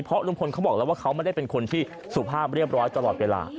เพราะลุงพลเขาบอกแล้วว่าเขาไม่ได้เป็นคนที่สุภาพเรียบร้อยตลอดเวลา